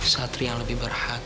satria yang lebih berhak